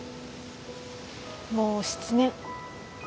もう７年。